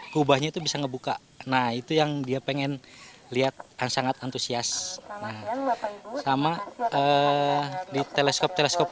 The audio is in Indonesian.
kubahnya itu bisa ngebuka nah itu yang dia pengen lihat kan sangat antusias sama di teleskop teleskop